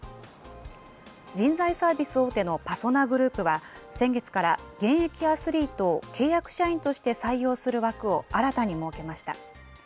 人材サービス大手のパソナグループは、先月から、現役アスリートを契約社員として採用する枠を新たに設けました。